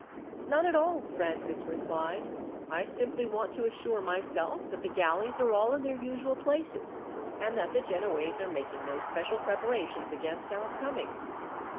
"None at all," Francis replied. "I simply want to assure myself that the galleys are all in their usual places, and that the Genoese are making no special preparations against our coming."